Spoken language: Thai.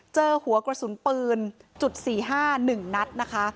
เจอหัวกระสุนปืนจุด๔๕๑นัดนะคะ